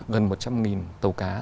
gần một trăm linh tàu cá